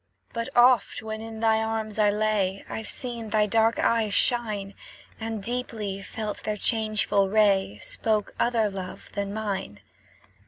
But oft, when in thine arms I lay, I've seen thy dark eyes shine, And deeply felt their changeful ray Spoke other love than mine.